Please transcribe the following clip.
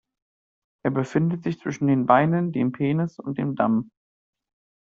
Er befindet sich zwischen den Beinen, dem Penis und dem Damm.